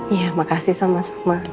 iya makasih sama sama